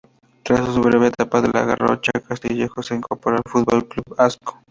Tras su breve etapa en La Garrocha, Castillejo se incorporó al Futbol Club Ascó.